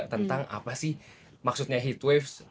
tentang apa sih maksudnya heat wave